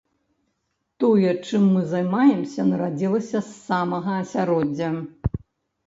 Тое, чым мы займаемся, нарадзілася з самога асяроддзя.